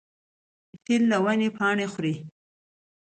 فیل له ونو پاڼې خوري.